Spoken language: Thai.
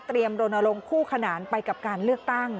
โรนลงคู่ขนานไปกับการเลือกตั้ง